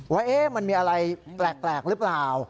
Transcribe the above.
ว่ามันมีอะไรแปลกหรือเปล่า